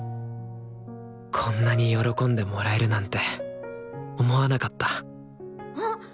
こんなに喜んでもらえるなんて思わなかったあっ！